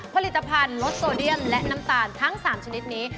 ผลิตภัณฑ์ลดโซเดียมและน้ำตาลทั้ง๓ชนิดนี้